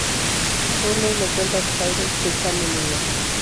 Hurley le cuenta a Claire que Charlie murió.